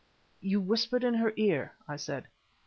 "You whispered in her ear?" I said.